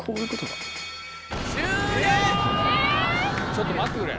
ちょっと待ってくれ。